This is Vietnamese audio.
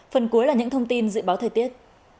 phần cuối là những thông tin dự báo thời tiết